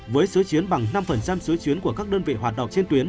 với số chuyến bằng năm số chuyến của các đơn vị hoạt động trên tuyến